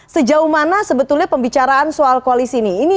sejauh mana sebetulnya pembicaraan soal koalisi ini